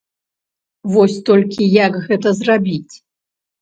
Вось толькі як гэта зрабіць?